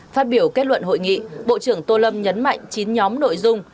phát biểu kết luận hội nghị bộ trưởng tô lâm nhấn mạnh chín nhóm nội dung